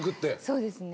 そうですね。